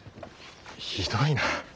ひどいな。